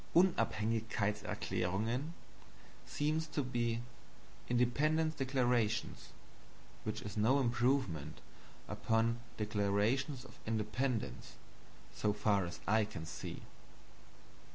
"Unabhängigkeitserklärungen" seems to be "Independencedeclarations," which is no improvement upon "Declarations of Independence," so far as I can see.